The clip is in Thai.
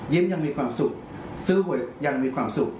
ยังมีความสุขซื้อหวยยังมีความสุข